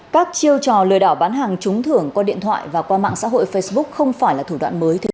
các chiêu trò lừa đảo bán hàng trúng thường qua điện thoại và qua mạng xã hội facebook không phải là thủ đoạn mới